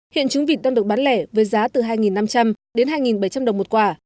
hiện trứng vịt đang được bán lẻ với giá từ hai năm trăm linh đến hai bảy trăm linh đồng một quả